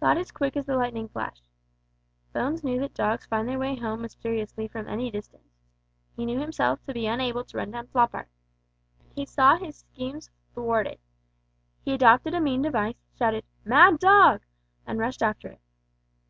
Thought is quick as the lightning flash. Bones knew that dogs find their way home mysteriously from any distance. He knew himself to be unable to run down Floppart. He saw his schemes thwarted. He adopted a mean device, shouted "Mad dog!" and rushed after it.